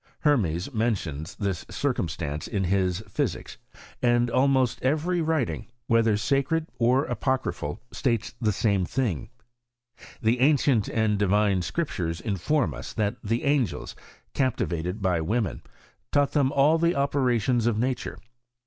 Hermes mentions this circumstance in his Physics ; and almost every writing (\oyog), whether sacred (^ove/ooc) or apo crjrphal, states the same thing. The ancient and divine Scriptures inform us, that the angels, captivated by women, taught them all the operations of nature.